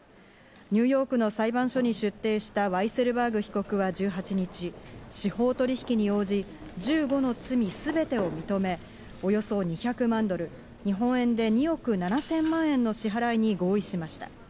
ニューヨークの裁判所に出廷したワイセルバーグ被告は１８日、司法取引に応じ、１５の罪すべてを認め、およそ２００万ドル、日本円で２億７０００万円の支払いに合意しました。